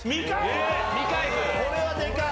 これはでかい。